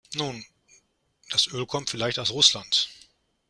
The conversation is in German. Nun, das Öl kommt vielleicht aus Russland.